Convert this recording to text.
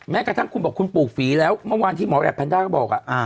แม้กระทั่งคุณบอกคุณปลูกฝีแล้วเมื่อวานที่หมอแหลปแนนด้าก็บอก